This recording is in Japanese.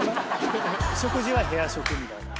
食事は部屋食みたいな？